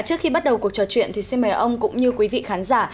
trước khi bắt đầu cuộc trò chuyện thì xin mời ông cũng như quý vị khán giả